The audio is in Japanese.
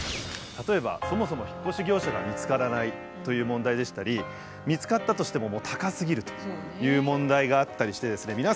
例えばそもそも引っ越し業者が見つからないという問題でしたり見つかったとしても高すぎるという問題があったりしてですね